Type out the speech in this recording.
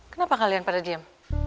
kenapa kalian pada diem